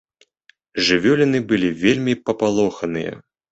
Жывёліны былі вельмі папалоханыя.